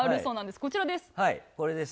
こちらです。